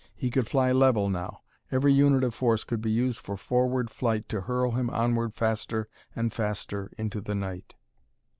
He could fly level now; every unit of force could be used for forward flight to hurl him onward faster and faster into the night.